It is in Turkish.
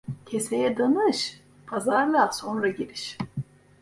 Keseye danış, pazarlığa sonra giriş.